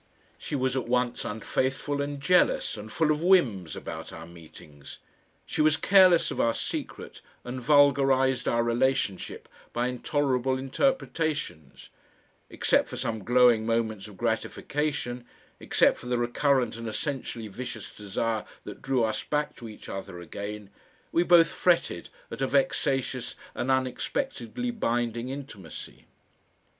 She was at once unfaithful and jealous and full of whims about our meetings; she was careless of our secret, and vulgarised our relationship by intolerable interpretations; except for some glowing moments of gratification, except for the recurrent and essentially vicious desire that drew us back to each other again, we both fretted at a vexatious and unexpectedly binding intimacy.